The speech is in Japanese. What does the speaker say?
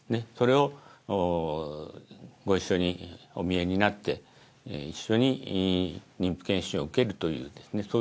それをご一緒にお見えになって一緒に妊婦検診を受けるというですね